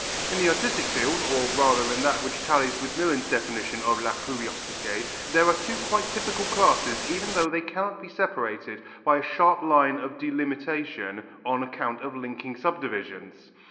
In the artistic field, or rather in that which tallies with Millin's definition of la curiosité there are two quite typical classes even though they cannot be separated by a sharp line of delimitation on account of linking subdivisions.